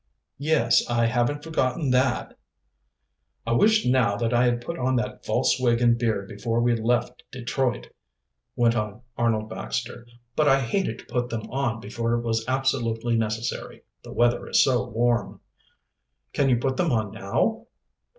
"Yes, I haven't forgotten that." "I wish now that I had put on that false wig and beard before we left Detroit," went on Arnold Baxter. "But I hated to put them on before it was absolutely necessary the weather is so warm." "Can you put them on now?"